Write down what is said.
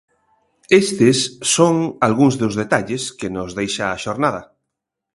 Estes son algúns dos detalles que nos deixa a xornada.